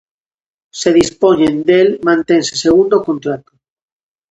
Se dispoñen del mantense segundo o contrato.